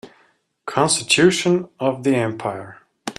Constitution of the empire